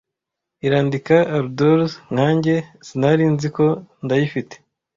Irandika ardors nkanjye sinari nzi ko ndayifite ,